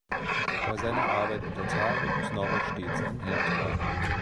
Bei seiner Arbeit untertage muss Norbert stets einen Helm tragen.